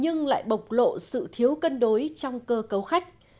nhưng lại bộc lộ sự thiếu cân đối trong cơ cấu khách